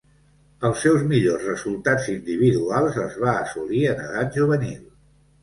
Els seus millors resultats individuals els va assolir en edat juvenil.